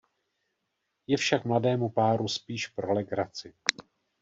Je však mladému páru spíš pro legraci.